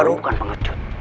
kalau lo bukan pengesan